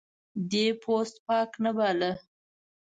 دی پوست پاک نه باله.